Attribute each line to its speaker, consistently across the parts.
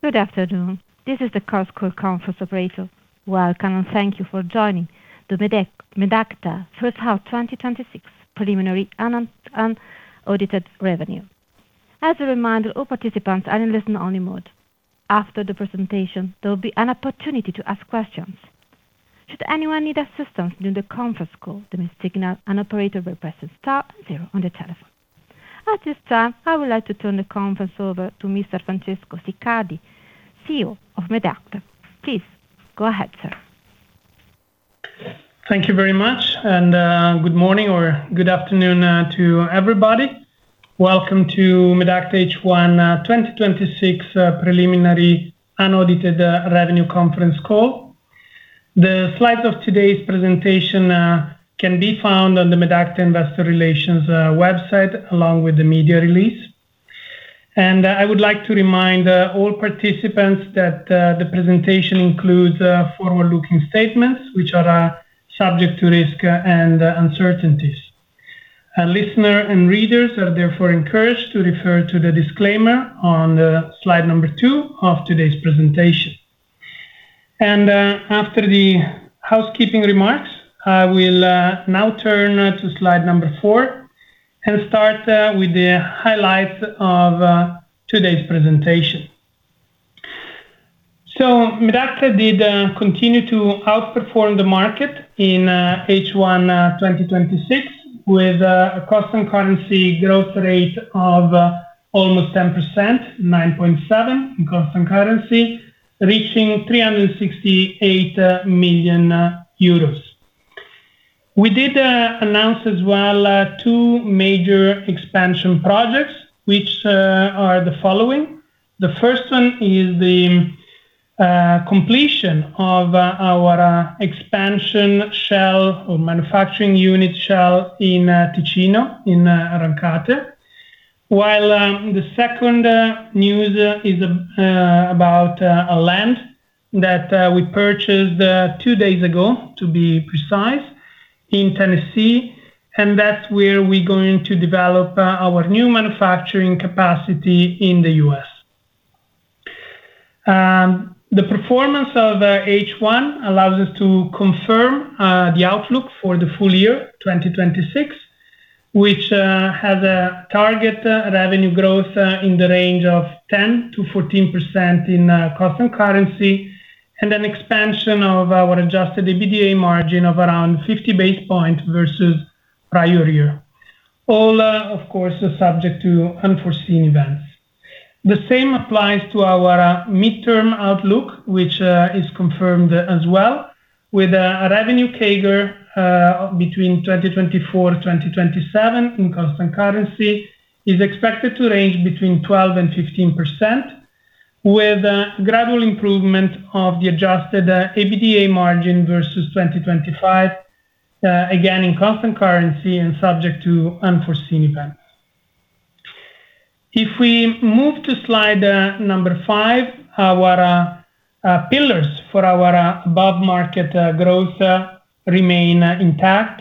Speaker 1: Good afternoon. This is the Chorus Call conference operator. Welcome, and thank you for joining the Medacta First Half 2026 Preliminary and Unaudited Revenue. As a reminder, all participants are in listen only mode. After the presentation, there will be an opportunity to ask questions. Should anyone need assistance during the conference call, they may signal an operator by pressing star zero on their telephone. At this time, I would like to turn the conference over to Mr. Francesco Siccardi, CEO of Medacta. Please go ahead, sir.
Speaker 2: Thank you very much. Good morning or good afternoon to everybody. Welcome to Medacta H1 2026 Preliminary Unaudited Revenue conference call. The slides of today's presentation can be found on the Medacta Investor Relations website, along with the media release. I would like to remind all participants that the presentation includes forward-looking statements, which are subject to risk and uncertainties. Listener and readers are therefore encouraged to refer to the disclaimer on slide number two of today's presentation. After the housekeeping remarks, I will now turn to slide number four and start with the highlights of today's presentation. Medacta did continue to outperform the market in H1 2026 with a constant currency growth rate of almost 10%, 9.7% in constant currency, reaching 368 million euros. We did announce as well two major expansion projects, which are the following. The first one is the completion of our expansion shell or manufacturing unit shell in Ticino, in Rancate. While the second news is about a land that we purchased two days ago, to be precise, in Tennessee, and that's where we're going to develop our new manufacturing capacity in the U.S. The performance of H1 allows us to confirm the outlook for the full year 2026, which has a target revenue growth in the range of 10%-14% in constant currency, and an expansion of our adjusted EBITDA margin of around 50 basis points versus prior year. All, of course, are subject to unforeseen events. The same applies to our midterm outlook, which is confirmed as well, with a revenue CAGR between 2024, 2027 in constant currency is expected to range between 12%-15%, with gradual improvement of the adjusted EBITDA margin versus 2025, again, in constant currency and subject to unforeseen events. We move to slide number five, our pillars for our above-market growth remain intact.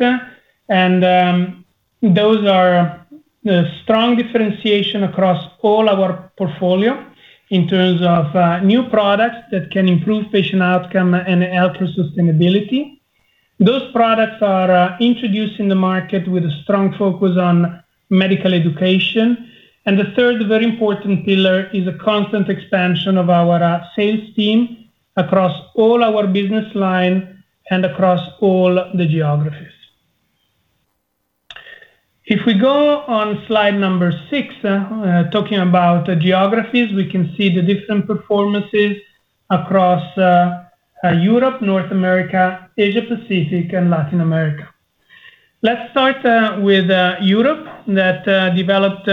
Speaker 2: Those are the strong differentiation across all our portfolio in terms of new products that can improve patient outcome and health sustainability. Those products are introduced in the market with a strong focus on medical education. The third very important pillar is a constant expansion of our sales team across all our business line and across all the geographies. We go on slide number six, talking about geographies, we can see the different performances across Europe, North America, Asia Pacific, and Latin America. Let's start with Europe, that developed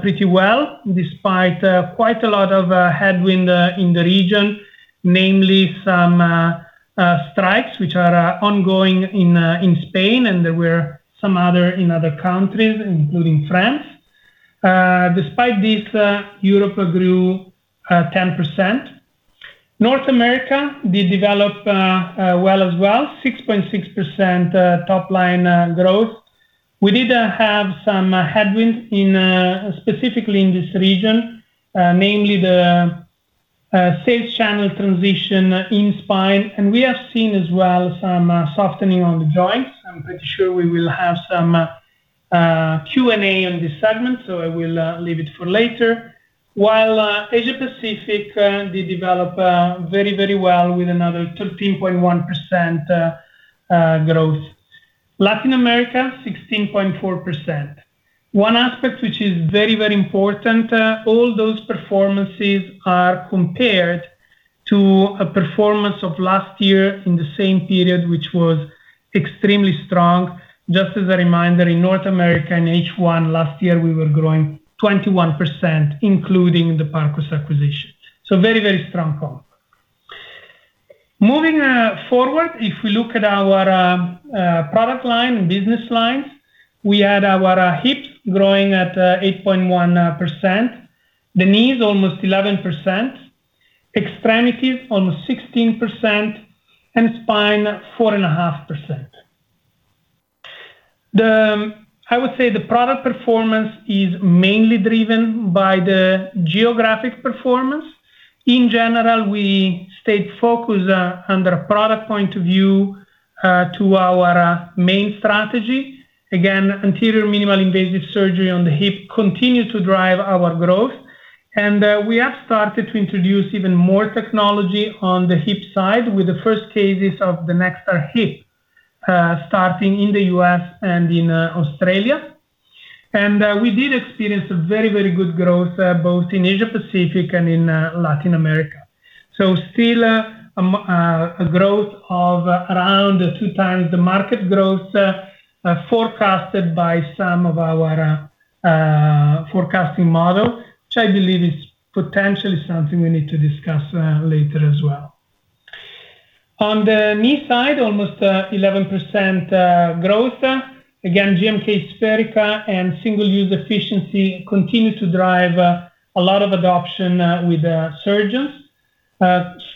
Speaker 2: pretty well despite quite a lot of headwind in the region, namely some strikes which are ongoing in Spain, and there were some other in other countries, including France. Despite this, Europe grew 10%. North America did develop well as well, 6.6% top-line growth. We did have some headwinds specifically in this region, namely the sales channel transition in spine. We have seen as well some softening on the joints. I'm pretty sure we will have some Q&A on this segment, so I will leave it for later. Asia Pacific did develop very well with another 13.1% growth. Latin America, 16.4%. One aspect which is very important, all those performances are compared to a performance of last year in the same period, which was extremely strong. Just as a reminder, in North America, in H1 last year, we were growing 21%, including the Parcus acquisition. Very strong comp. Moving forward, if we look at our product line and business lines, we had our hips growing at 8.1%, the knees almost 11%, extremities almost 16%, and spine 4.5%. I would say the product performance is mainly driven by the geographic performance. In general, we stayed focused under a product point of view, to our main strategy. Again, anterior minimal invasive surgery on the hip continued to drive our growth, we have started to introduce even more technology on the hip side with the first cases of the NextAR Hip, starting in the U.S. and in Australia. We did experience a very good growth both in Asia Pacific and in Latin America. Still, a growth of around 2x the market growth forecasted by some of our forecasting model, which I believe is potentially something we need to discuss later as well. On the knee side, almost 11% growth. Again, GMK SpheriKA and single-use efficiency continue to drive a lot of adoption with surgeons.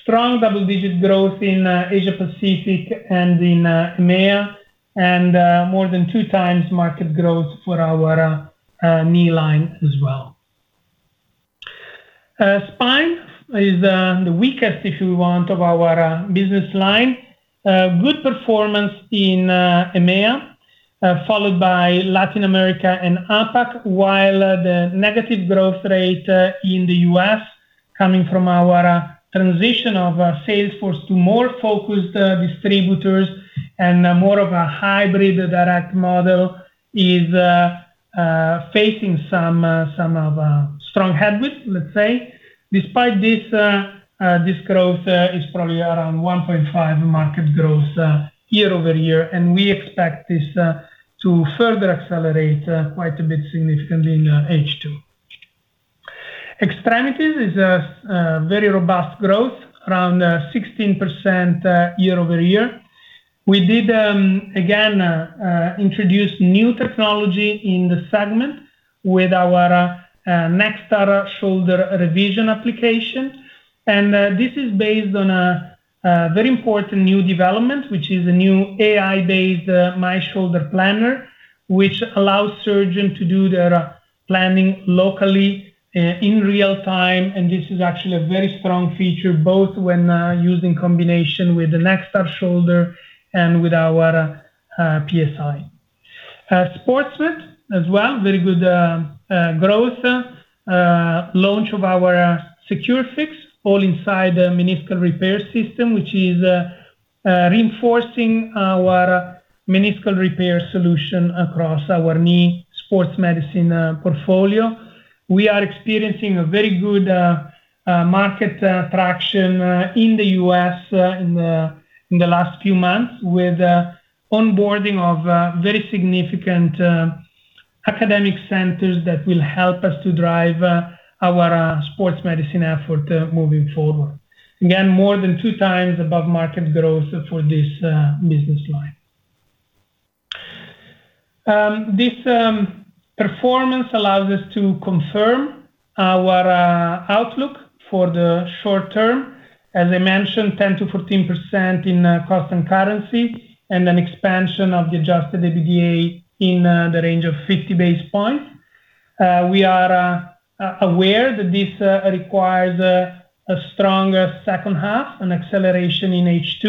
Speaker 2: Strong double-digit growth in Asia Pacific and in EMEA, and more than 2x market growth for our knee line as well. Spine is the weakest, if you want, of our business line. Good performance in EMEA, followed by Latin America and APAC, while the negative growth rate in the U.S., coming from our transition of our sales force to more focused distributors and more of a hybrid direct model is facing some of strong headwind, let's say. Despite this growth is probably around 1.5 market growth year-over-year, and we expect this to further accelerate quite a bit significantly in H2. Extremities is a very robust growth, around 16% year-over-year. We did, again, introduce new technology in the segment with our NextAR Shoulder revision application. This is based on a very important new development, which is a new AI-based MyShoulderPlanner, which allows surgeon to do their planning locally, in real time, and this is actually a very strong feature both when used in combination with the NextAR Shoulder and with our PSI. Sports med as well, very good growth. Launch of our SecureFix all-inside the meniscal repair system, which is reinforcing our meniscal repair solution across our knee sports medicine portfolio. We are experiencing a very good market traction in the U.S. in the last few months with onboarding of very significant academic centers that will help us to drive our sports medicine effort moving forward. Again, more than 2x above market growth for this business line. This performance allows us to confirm our outlook for the short-term. As I mentioned, 10%-14% in constant currency and an expansion of the adjusted EBITDA in the range of 50 basis points. We are aware that this requires a strong second half, an acceleration in H2.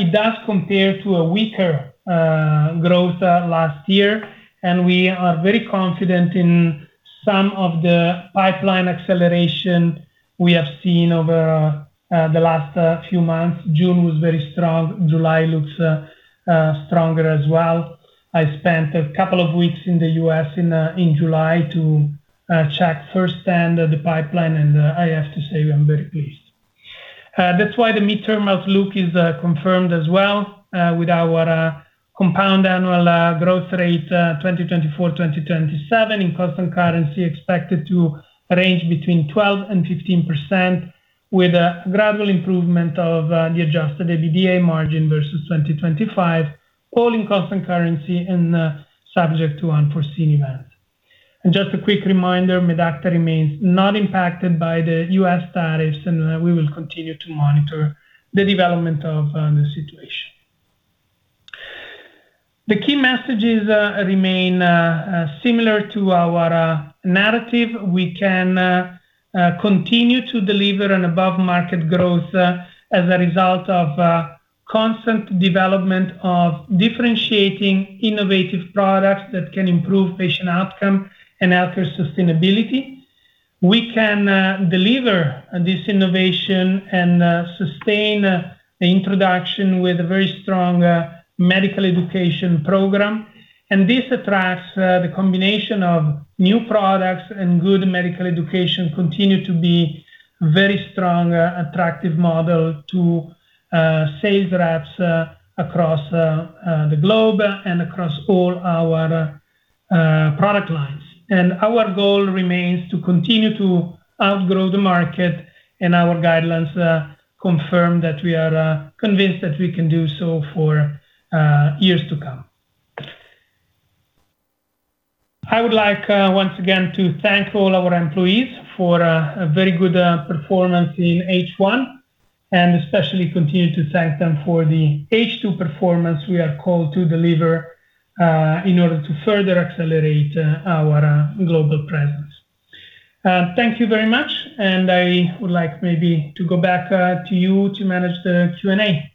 Speaker 2: It does compare to a weaker growth last year. We are very confident in some of the pipeline acceleration we have seen over the last few months. June was very strong. July looks stronger as well. I spent a couple of weeks in the U.S. in July to check first-hand the pipeline. I have to say I'm very pleased. That's why the midterm outlook is confirmed as well, with our compound annual growth rate 2024-2027 in constant currency expected to range between 12% and 15% with a gradual improvement of the adjusted EBITDA margin versus 2025, all in constant currency and subject to unforeseen events. Just a quick reminder, Medacta remains not impacted by the U.S. tariffs. We will continue to monitor the development of the situation. The key messages remain similar to our narrative. We can continue to deliver an above-market growth as a result of constant development of differentiating innovative products that can improve patient outcome and overall sustainability. We can deliver this innovation and sustain the introduction with a very strong medical education program. This attracts the combination of new products and good medical education continue to be very strong, attractive model to sales reps across the globe and across all our product lines. Our goal remains to continue to outgrow the market, and our guidelines confirm that we are convinced that we can do so for years to come. I would like, once again, to thank all our employees for a very good performance in H1. Especially continue to thank them for the H2 performance we are called to deliver in order to further accelerate our global presence. Thank you very much, and I would like maybe to go back to you to manage the Q&A.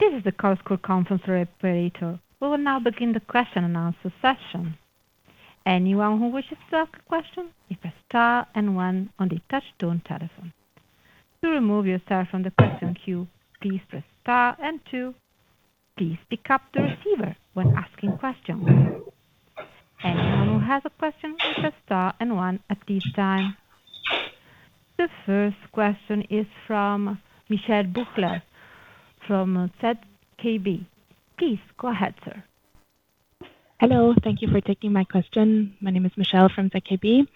Speaker 1: This is the Chorus Call conference operator. We will now begin the question-and-answer session. Anyone who wishes to ask a question, press star and one on the touch-tone telephone. To remove yourself from the question queue, please press star and two. Please pick up the receiver when asking questions. Anyone who has a question, press star and one at this time. The first question is from Michelle Büchler from ZKB. Please go ahead, sir.
Speaker 3: Hello. Thank you for taking my question. My name is Michelle from ZKB.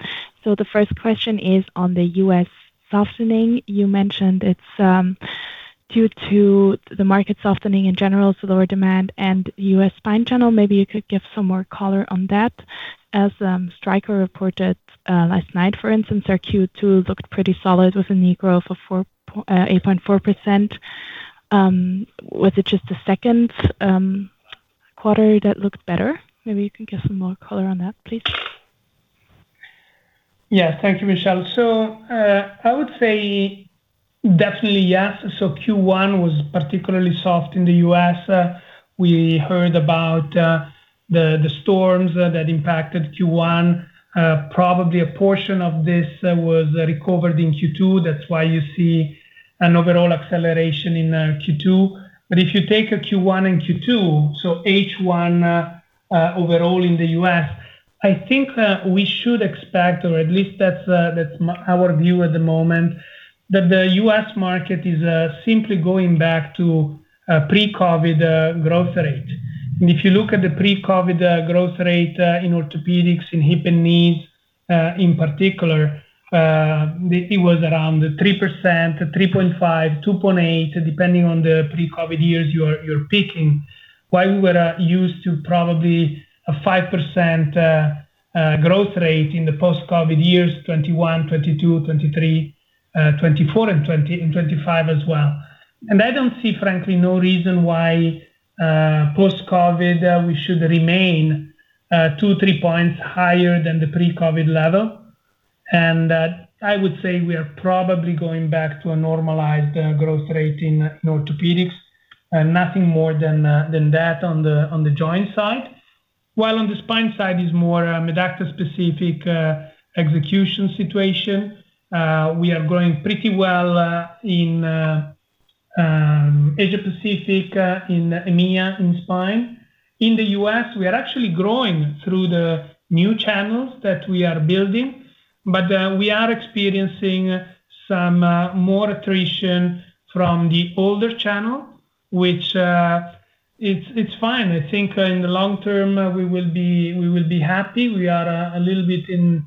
Speaker 3: The first question is on the U.S. softening. You mentioned it's due to the market softening in general, lower demand and U.S. spine channel. Maybe you could give some more color on that, as Stryker reported last night, for instance, their Q2 looked pretty solid with EBITDA growth of 8.4%. Was it just the second quarter that looked better? Maybe you can give some more color on that, please.
Speaker 2: Thank you, Michelle. I would say definitely yes. Q1 was particularly soft in the U.S. We heard about the storms that impacted Q1. Probably a portion of this was recovered in Q2. That's why you see an overall acceleration in Q2. If you take a Q1 and Q2, H1, overall in the U.S., I think we should expect, or at least that's our view at the moment, that the U.S. market is simply going back to pre-COVID growth rate. If you look at the pre-COVID growth rate in orthopedics, in hip and knees, in particular, it was around 3%, 3.5%, 2.8%, depending on the pre-COVID years you're picking. While we were used to probably a 5% growth rate in the post-COVID years, 2021, 2022, 2023, 2024, and 2025 as well. I don't see, frankly, no reason why post-COVID, we should remain two, three points higher than the pre-COVID level. I would say we are probably going back to a normalized growth rate in orthopedics. Nothing more than that on the joint side. While on the spine side is more Medacta specific execution situation. We are growing pretty well in APAC, in EMEA, in spine. In the U.S., we are actually growing through the new channels that we are building. We are experiencing some more attrition from the older channel, which it's fine. I think in the long term, we will be happy. We are a little bit in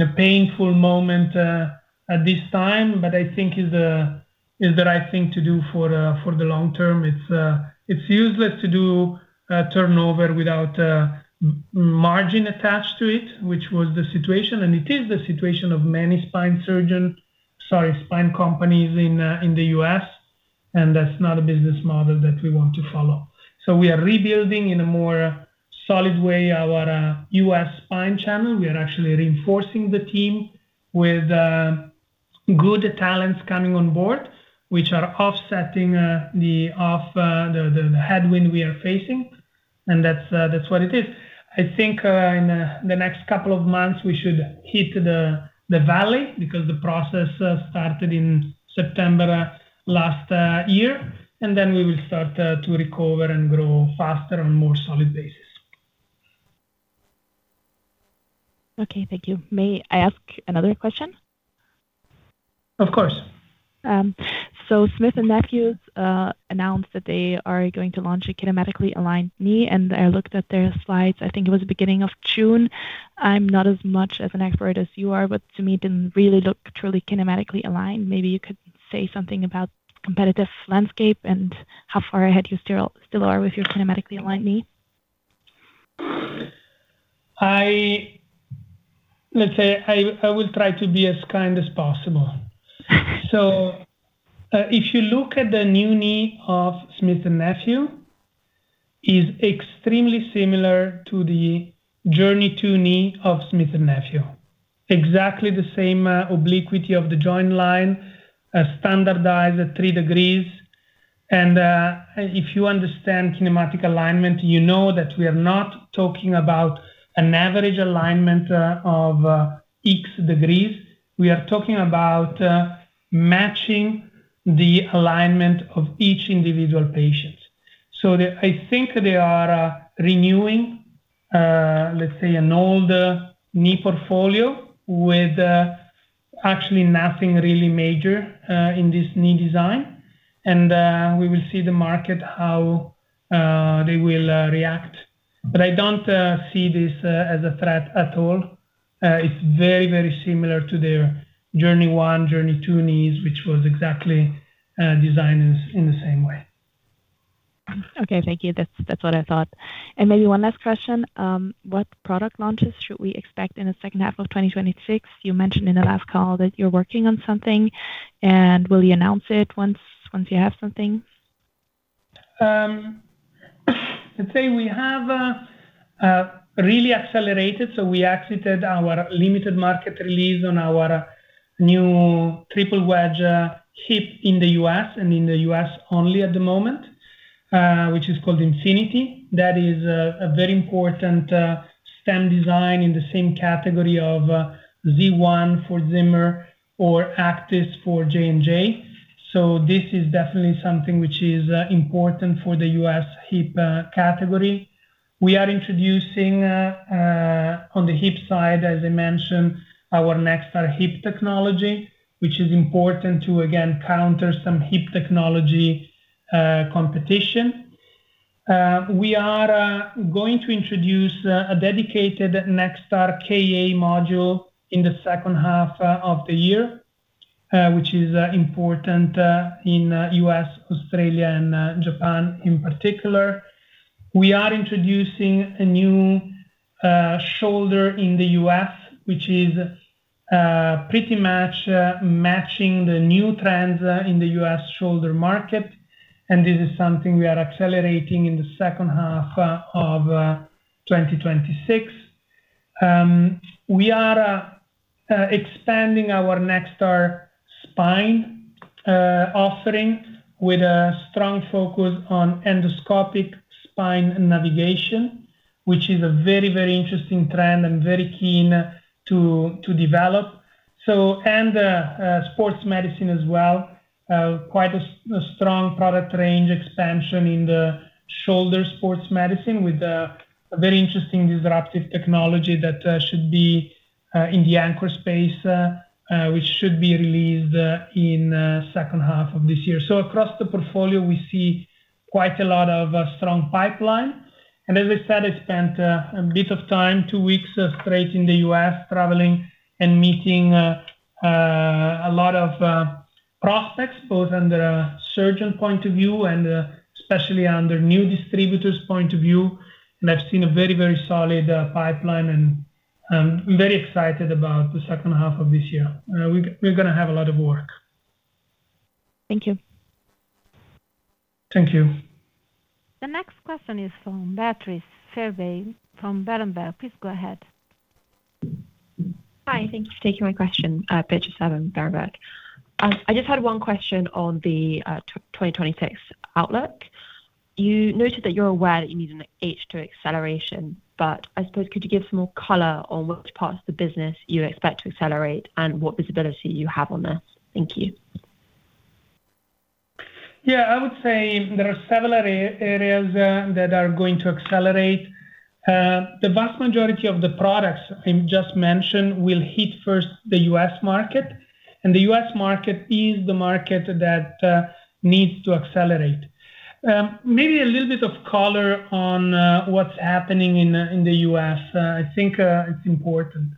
Speaker 2: a painful moment at this time, I think is the right thing to do for the long term. It's useless to do a turnover without margin attached to it, which was the situation, it is the situation of many spine surgeon, sorry, spine companies in the U.S., that's not a business model that we want to follow. We are rebuilding, in a more solid way, our U.S. spine channel. We are actually reinforcing the team with good talents coming on board, which are offsetting the headwind we are facing, that's what it is. I think in the next couple of months, we should hit the valley because the process started in September last year, we will start to recover and grow faster on a more solid basis.
Speaker 3: Okay. Thank you. May I ask another question?
Speaker 2: Of course.
Speaker 3: Smith+Nephew announced that they are going to launch a kinematically aligned knee. I looked at their slides, I think it was the beginning of June. I am not as much of an expert as you are, to me, it did not really look truly kinematically aligned. Maybe you could say something about competitive landscape and how far ahead you still are with your kinematically aligned knee.
Speaker 2: Let's say, I will try to be as kind as possible. If you look at the new knee of Smith+Nephew, it is extremely similar to the JOURNEY II knee of Smith+Nephew. Exactly the same obliquity of the joint line, standardized at three degrees. If you understand kinematic alignment, you know that we are not talking about an average alignment of X degrees. We are talking about matching the alignment of each individual patient. I think they are renewing, let's say, an older knee portfolio with actually nothing really major in this knee design. We will see the market, how they will react. I do not see this as a threat at all. It is very similar to their JOURNEY I, JOURNEY II knees, which was exactly designed in the same way.
Speaker 3: Okay, thank you. That's what I thought. Maybe one last question. What product launches should we expect in the second half of 2026? You mentioned in the last call that you're working on something, will you announce it once you have something?
Speaker 2: Let's say we have really accelerated. We exited our limited market release on our new triple wedge hip in the U.S., and in the U.S. only at the moment, which is called Mfinity. That is a very important stem design in the same category of Z1 for Zimmer or ACTIS for J&J. This is definitely something which is important for the U.S. hip category. We are introducing, on the hip side, as I mentioned, our NextAR Hip technology, which is important to, again, counter some hip technology competition. We are going to introduce a dedicated NextAR KA module in the second half of the year, which is important in U.S., Australia, and Japan in particular. We are introducing a new shoulder in the U.S., which is pretty much matching the new trends in the U.S. shoulder market, this is something we are accelerating in the second half of 2026. We are expanding our NextAR Spine offering with a strong focus on endoscopic spine navigation, which is a very interesting trend and very keen to develop. Sports medicine as well. Quite a strong product range expansion in the shoulder sports medicine with a very interesting disruptive technology that should be in the anchor space, which should be released in the second half of this year. Across the portfolio, we see quite a lot of strong pipeline. As I said, I spent a bit of time, two weeks straight in the U.S., traveling and meeting a lot of prospects, both under surgeon point of view and especially under new distributors' point of view. I've seen a very solid pipeline, I'm very excited about the second half of this year. We're going to have a lot of work.
Speaker 3: Thank you.
Speaker 2: Thank you.
Speaker 1: The next question is from Beatrice Fairbairn from Berenberg. Please go ahead.
Speaker 4: Hi, thank you for taking my question. Beatrice Fairbairn, Berenberg. I just had one question on the 2026 outlook. You noted that you're aware that you need an H2 acceleration, I suppose could you give some more color on which parts of the business you expect to accelerate and what visibility you have on this? Thank you.
Speaker 2: I would say there are several areas that are going to accelerate. The vast majority of the products I just mentioned will hit first the U.S. market, the U.S. market is the market that needs to accelerate. Maybe a little bit of color on what's happening in the U.S. I think it's important.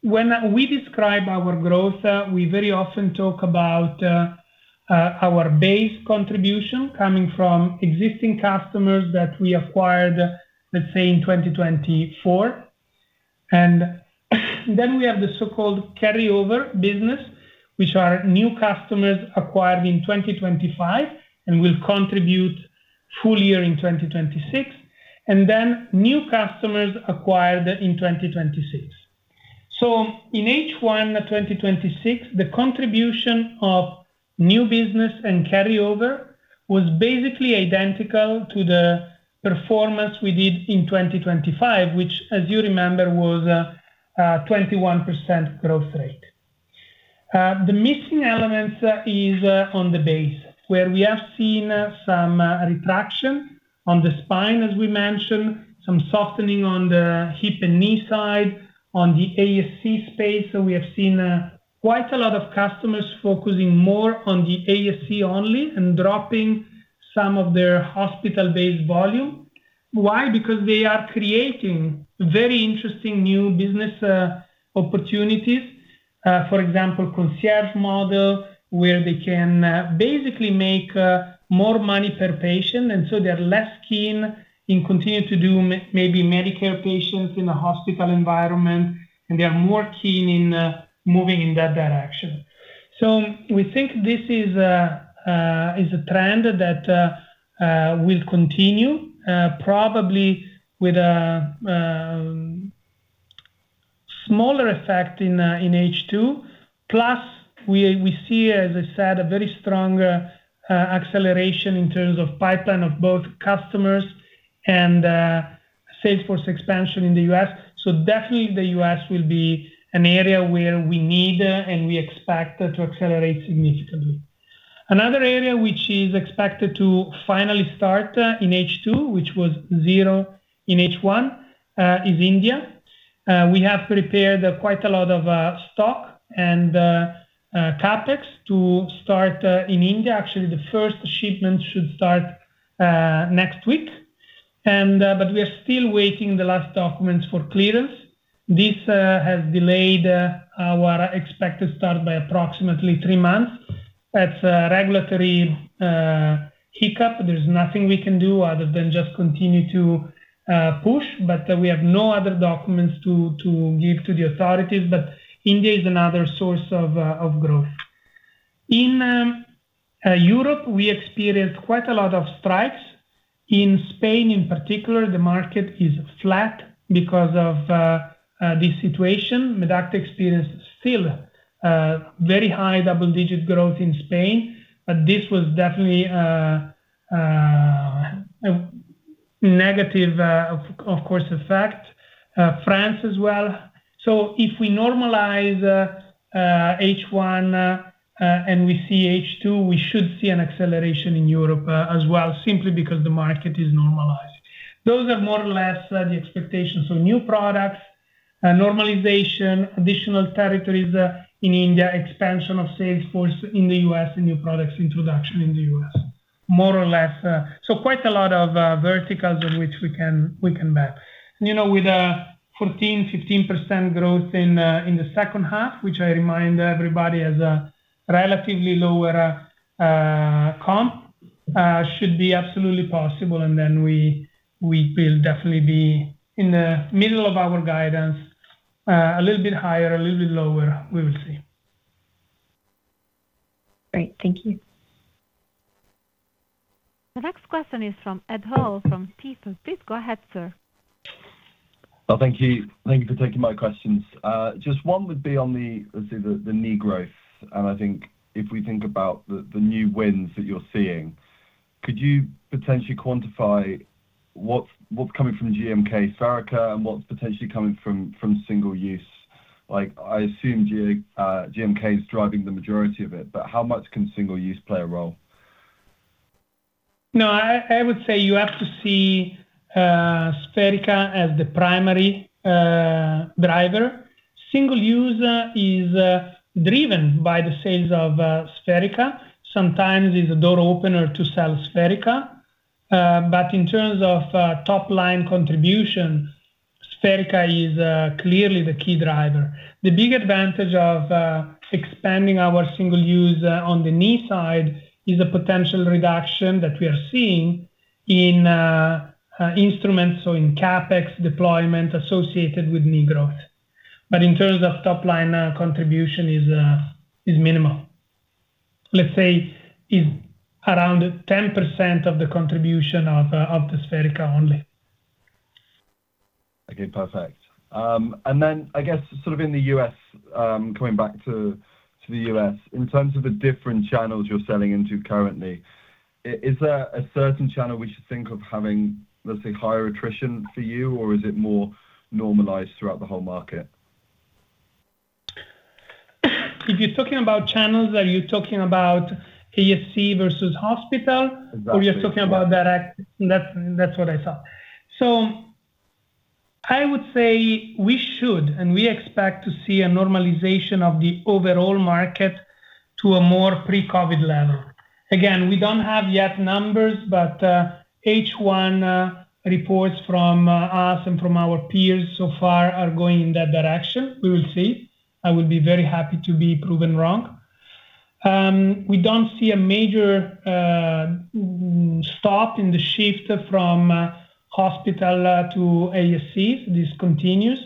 Speaker 2: When we describe our growth, we very often talk about our base contribution coming from existing customers that we acquired, let's say, in 2024. We have the so-called carryover business, which are new customers acquired in 2025 and will contribute full year in 2026. New customers acquired in 2026. In H1 2026, the contribution of new business and carryover was basically identical to the performance we did in 2025, which, as you remember, was a 21% growth rate. The missing elements is on the base, where we have seen some retraction on the spine, as we mentioned, some softening on the hip and knee side, on the ASC space. We have seen quite a lot of customers focusing more on the ASC only and dropping some of their hospital-based volume. Why? Because they are creating very interesting new business opportunities. For example, concierge model, where they can basically make more money per patient, they're less keen in continue to do maybe Medicare patients in a hospital environment, they are more keen in moving in that direction. We think this is a trend that will continue, probably with a smaller effect in H2. Plus we see, as I said, a very strong acceleration in terms of pipeline of both customers and sales force expansion in the U.S. Definitely the U.S. will be an area where we need and we expect to accelerate significantly. Another area which is expected to finally start in H2, which was zero in H1, is India. We have prepared quite a lot of stock and CapEx to start in India. Actually, the first shipment should start next week. We are still waiting the last documents for clearance. This has delayed our expected start by approximately three months. That's a regulatory hiccup. There's nothing we can do other than just continue to push. We have no other documents to give to the authorities. India is another source of growth. In Europe, we experienced quite a lot of strikes. In Spain, in particular, the market is flat because of this situation. Medacta experienced still very high double-digit growth in Spain, this was definitely a negative, of course, effect. France as well. If we normalize H1 and we see H2, we should see an acceleration in Europe as well, simply because the market is normalizing. Those are more or less the expectations. New products, normalization, additional territories in India, expansion of sales force in the U.S., new products introduction in the U.S., more or less. Quite a lot of verticals on which we can map. With 14, 15% growth in the second half, which I remind everybody has a relatively lower comp, should be absolutely possible, we will definitely be in the middle of our guidance. A little bit higher, a little bit lower, we will see.
Speaker 4: Great. Thank you.
Speaker 1: The next question is from Ed Hall from Stifel. Please go ahead, sir.
Speaker 5: Thank you. Thank you for taking my questions. Just one would be on the knee growth. I think if we think about the new wins that you're seeing, could you potentially quantify what's coming from GMK SpheriKA and what's potentially coming from single use? I assume GMK is driving the majority of it, but how much can single use play a role?
Speaker 2: No, I would say you have to see SpheriKA as the primary driver. Single use is driven by the sales of SpheriKA. Sometimes it's a door opener to sell SpheriKA. In terms of top-line contribution, SpheriKA is clearly the key driver. The big advantage of expanding our single use on the knee side is a potential reduction that we are seeing in instruments or in CapEx deployment associated with knee growth. In terms of top-line contribution, is minimal. Let's say is around 10% of the contribution of the SpheriKA only.
Speaker 5: Okay, perfect. I guess, in the U.S., coming back to the U.S. In terms of the different channels you're selling into currently, is there a certain channel we should think of having, let's say, higher attrition for you, or is it more normalized throughout the whole market?
Speaker 2: If you're talking about channels, are you talking about ASC versus hospital?
Speaker 5: Exactly.
Speaker 2: That's what I thought. I would say we should, and we expect to see a normalization of the overall market to a more pre-COVID level. Again, we don't have yet numbers, but H1 reports from us and from our peers so far are going in that direction. We will see. I would be very happy to be proven wrong. We don't see a major stop in the shift from hospital to ASC. This continues.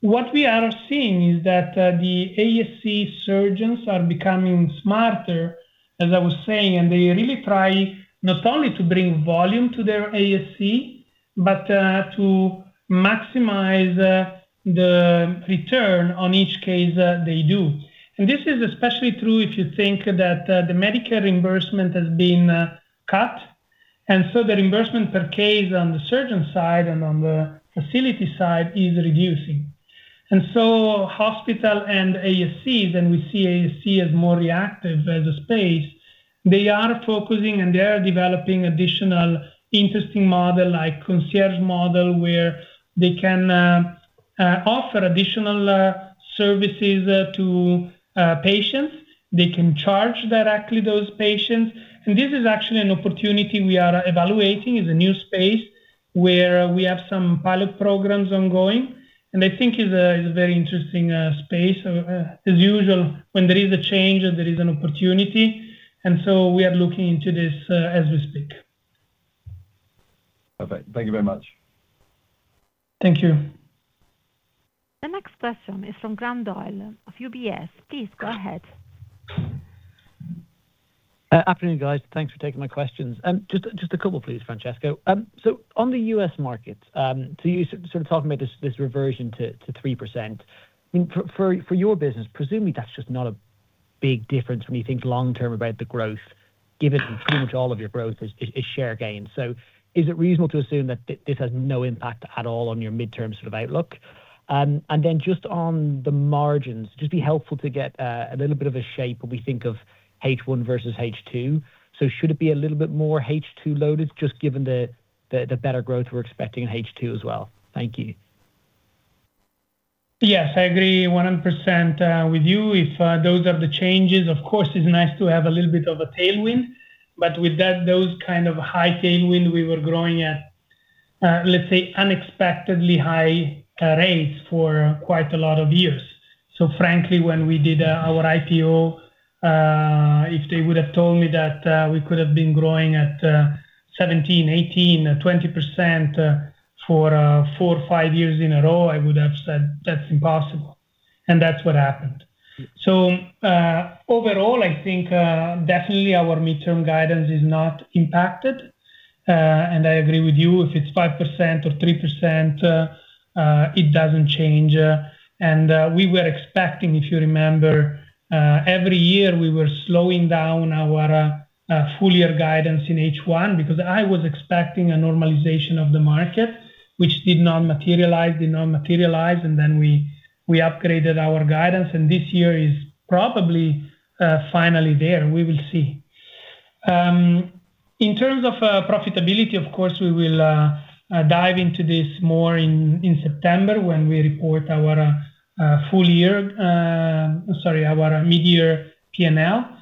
Speaker 2: What we are seeing is that the ASC surgeons are becoming smarter, as I was saying, and they really try not only to bring volume to their ASC, but to maximize the return on each case they do. This is especially true if you think that the Medicare reimbursement has been cut, the reimbursement per case on the surgeon side and on the facility side is reducing. Hospital and ASC, we see ASC as more reactive as a space. They are focusing, and they are developing additional interesting model like concierge model, where they can offer additional services to patients. They can charge directly those patients. This is actually an opportunity we are evaluating. It's a new space where we have some pilot programs ongoing. I think it's a very interesting space. As usual, when there is a change, there is an opportunity. We are looking into this as we speak.
Speaker 5: Perfect. Thank you very much.
Speaker 2: Thank you.
Speaker 1: The next question is from Graham Doyle of UBS. Please go ahead.
Speaker 6: Afternoon, guys. Thanks for taking my questions. Just a couple, please, Francesco. On the U.S. market, so you sort of talking about this reversion to 3%. For your business, presumably that's just not a big difference when you think long term about the growth, given pretty much all of your growth is share gain. Is it reasonable to assume that this has no impact at all on your midterm sort of outlook? Just on the margins, just be helpful to get a little bit of a shape when we think of H1 versus H2. Should it be a little bit more H2 loaded, just given the better growth we're expecting in H2 as well? Thank you.
Speaker 2: Yes, I agree 100% with you. If those are the changes, of course, it's nice to have a little bit of a tailwind. With those kind of high tailwind, we were growing at, let's say, unexpectedly high rates for quite a lot of years. Frankly, when we did our IPO, if they would have told me that we could have been growing at 17%, 18%, 20% for four or five years in a row, I would have said that's impossible. That's what happened. Overall, I think definitely our midterm guidance is not impacted. I agree with you, if it's 5% or 3%, it doesn't change. We were expecting, if you remember, every year we were slowing down our full-year guidance in H1 because I was expecting a normalization of the market, which did not materialize. It not materialized. Then we upgraded our guidance. This year is probably finally there. We will see. In terms of profitability, of course, we will dive into this more in September when we report our full year. Sorry, our mid-year P&L.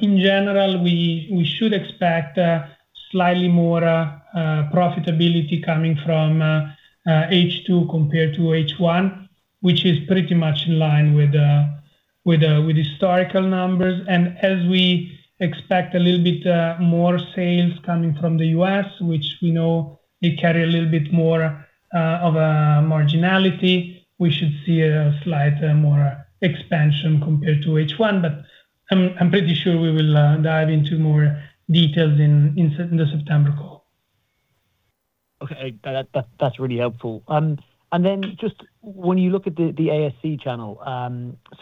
Speaker 2: In general, we should expect slightly more profitability coming from H2 compared to H1, which is pretty much in line with historical numbers. As we expect a little bit more sales coming from the U.S., which we know they carry a little bit more of a marginality, we should see a slight more expansion compared to H1. I'm pretty sure we will dive into more details in the September call.
Speaker 6: Okay. That's really helpful. Just when you look at the ASC channel,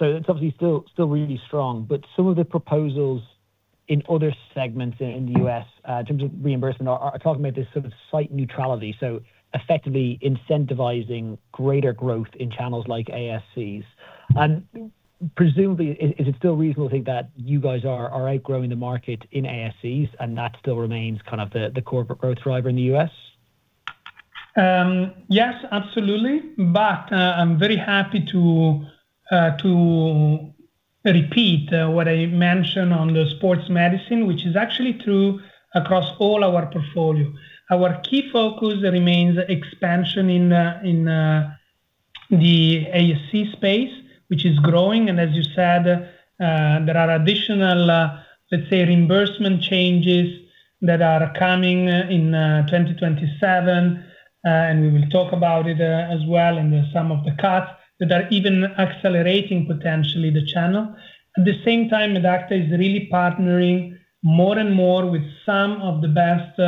Speaker 6: it's obviously still really strong. Some of the proposals in other segments in the U.S., in terms of reimbursement, are talking about this sort of site neutrality, effectively incentivizing greater growth in channels like ASCs. Presumably, is it still reasonable to think that you guys are outgrowing the market in ASCs, and that still remains kind of the corporate growth driver in the U.S.?
Speaker 2: Yes, absolutely. I'm very happy to repeat what I mentioned on the sports medicine, which is actually true across all our portfolio. Our key focus remains expansion in the ASC space, which is growing. As you said, there are additional, let's say, reimbursement changes that are coming in 2027. We will talk about it as well. Some of the cuts that are even accelerating potentially the channel. At the same time, Medacta is really partnering more and more with some of the best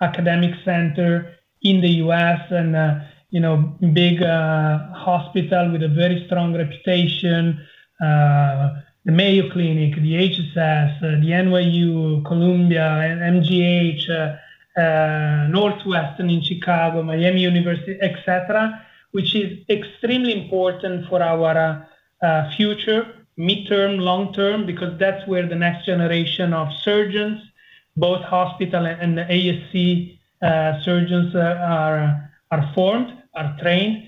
Speaker 2: academic center in the U.S., and big hospital with a very strong reputation, the Mayo Clinic, the HSS, the NYU, Columbia, MGH, Northwestern in Chicago, University of Miami, et cetera, which is extremely important for our future, midterm, long-term, because that's where the next generation of surgeons, both hospital and ASC surgeons, are formed, are trained.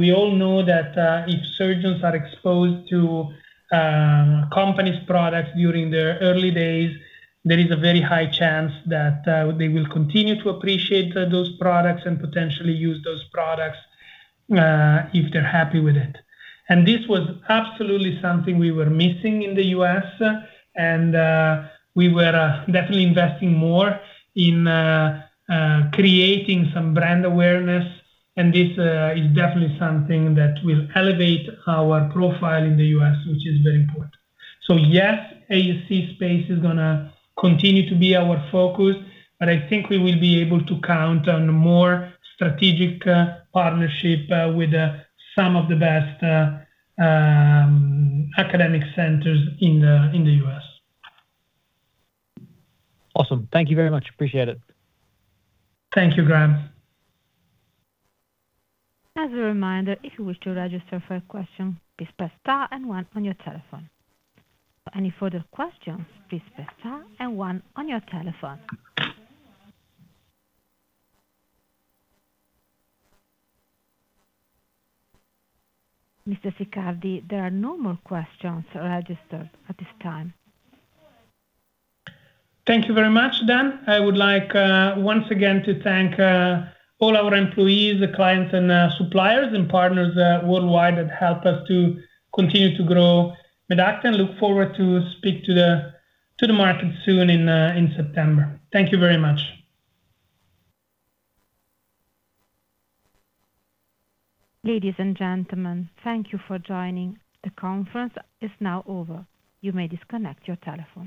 Speaker 2: We all know that if surgeons are exposed to a company's products during their early days, there is a very high chance that they will continue to appreciate those products and potentially use those products, if they're happy with it. This was absolutely something we were missing in the U.S., and we were definitely investing more in creating some brand awareness, and this is definitely something that will elevate our profile in the U.S., which is very important. Yes, ASC space is going to continue to be our focus, but I think we will be able to count on more strategic partnership with some of the best academic centers in the U.S.
Speaker 6: Awesome. Thank you very much. Appreciate it.
Speaker 2: Thank you, Graham.
Speaker 1: As a reminder, if you wish to register for a question, please press star and one on your telephone. For any further questions, please press star and one on your telephone. Mr. Siccardi, there are no more questions registered at this time.
Speaker 2: Thank you very much. I would like, once again, to thank all our employees, clients and suppliers, and partners worldwide that help us to continue to grow Medacta and look forward to speak to the market soon in September. Thank you very much.
Speaker 1: Ladies and gentlemen, thank you for joining. The conference is now over. You may disconnect your telephone.